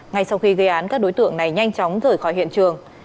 ngay sau khi gây án các đối tượng này nhanh chóng rời khỏi hiện trường